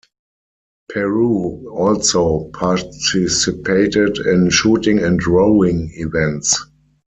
Peru also participated in shooting and rowing events.